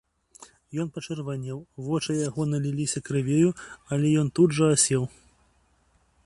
Ён пачырванеў, вочы яго наліліся крывёю, але ён тут жа асеў.